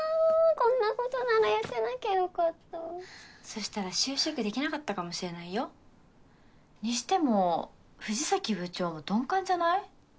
こんなことなら痩せなきゃよかったそしたら就職できなかったかもしれないよにしても富士崎部長も鈍感じゃない？